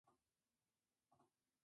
No es posible inferir mucho más.